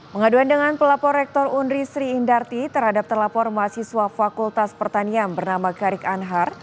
pengaduan dengan pelapor rektor unri sri indarti terhadap terlapor mahasiswa fakultas pertanian bernama garik anhar